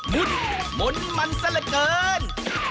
มุดมนต์มันซะเหลือเกิน